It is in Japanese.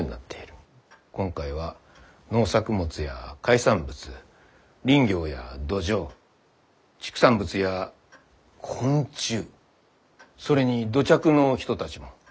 今回は農作物や海産物林業や土壌畜産物や昆虫それに土着の人たちも。